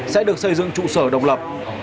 sẽ được xây dựng trụ sở đồng lập